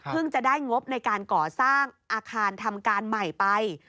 จะได้งบในการก่อสร้างอาคารทำการใหม่ไป